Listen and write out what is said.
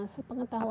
se pengetahuan saya